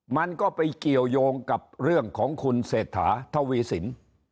มันก็ไปเกี่ยวยงกับเรื่องของคุณเศรษฐาทวีสิน